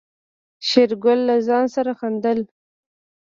شېرګل له ځان سره خندل.